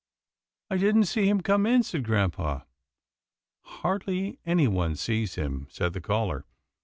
" I didn't see him come in," said grampa. " Hardly anyone sees him," said the caller.